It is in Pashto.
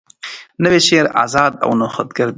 نوی شعر آزاده او نوښتګر دی.